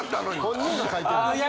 本人が書いてんの？